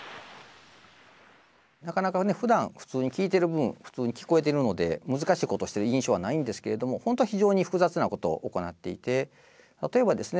なかなかねふだん普通に聞いてる分普通に聞こえてるので難しいことしてる印象はないんですけれども本当は非常に複雑なことを行っていて例えばですね